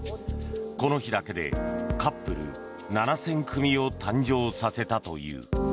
この日だけでカップル７０００組を誕生させたという。